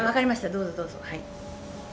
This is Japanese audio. どうぞどうぞ。